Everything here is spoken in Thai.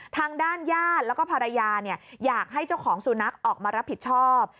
ทางด้านญาติแล้วก็ภรรยาอยากให้เจ้าของสุนัขออกมารับผิดชอบ